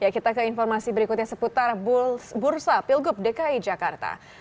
kita ke informasi berikutnya seputar bursa pilgub dki jakarta